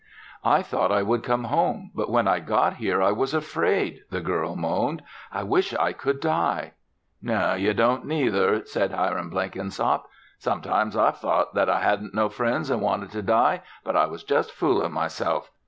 "I thought I would come home, but when I got here I was afraid," the girl moaned. "I wish I could die." "No, ye don't neither!" said Hiram Blenkinsop. "Sometimes, I've thought that I hadn't no friends an' wanted to die, but I was just foolin' myself.